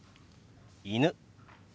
「犬」。